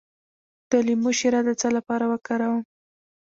د لیمو شیره د څه لپاره وکاروم؟